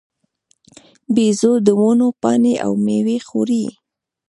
بیزو د ونو پاڼې او مېوې خوري.